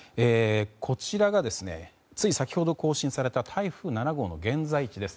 こちらが先ほど更新された台風７号の現在地です。